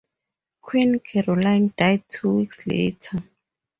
Queen Caroline died two weeks later.